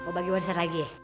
mau bagi warisan lagi ya